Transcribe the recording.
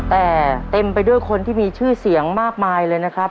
แต่เต็มไปด้วยคนที่มีชื่อเสียงมากมายเลยนะครับ